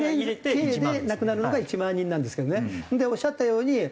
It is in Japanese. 計で亡くなるのが１万人なんですけどね。でおっしゃったように。